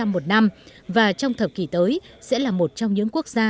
một năm và trong thập kỷ tới sẽ là một trong những quốc gia